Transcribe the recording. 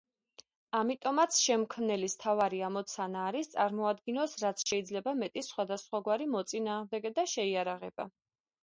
ამიტომაც შემქმნელის მთავარი ამოცანა არის წარმოადგინოს რაც შეიძლება მეტი სხვადასხვაგვარი მოწინააღმდეგე და შეიარაღება.